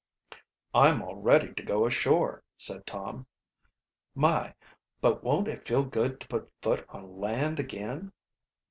"I'm all ready to go ashore," said Tom. "My, but won't it feel good to put foot on land again!"